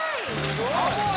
ああ